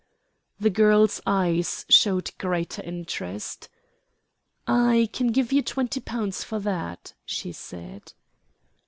The girl's eyes showed greater interest. "I can give you twenty pounds for that," she said.